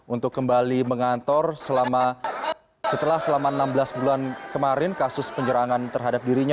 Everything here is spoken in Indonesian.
untuk kembali mengantor setelah selama enam belas bulan kemarin kasus penyerangan terhadap dirinya